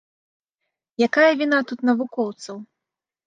Якая віна тут навукоўцаў?